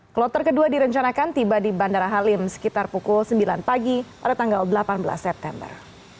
kloter kedua direncanakan tiba di bandara halim sekitar pukul sembilan pagi pada tanggal delapan belas september